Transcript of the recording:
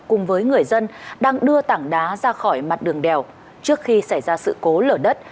cùng với người dân đang đưa tảng đá ra khỏi mặt đường đèo trước khi xảy ra sự cố lở đất